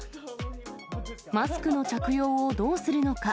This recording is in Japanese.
マスクの着用をどうするのか。